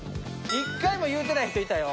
１回も言うてない人いたよ。